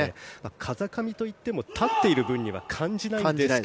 風上といっても立っている分には感じないと思うんですが。